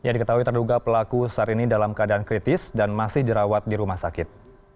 ya diketahui terduga pelaku saat ini dalam keadaan kritis dan masih dirawat di rumah sakit